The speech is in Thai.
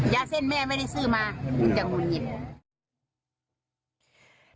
เส้นแม่ไม่ได้ซื้อมามึงจะหุ่นยิบ